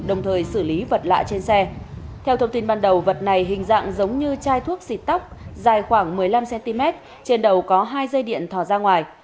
dài khoảng một mươi năm cm trên đầu có hai dây điện thò ra ngoài